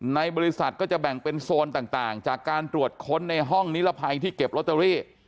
ในบริษัทก็จะแบ่งเป็นโซนต่างจากการตรวจค้นในห้องนิรภัยที่เก็บลอตเตอรี่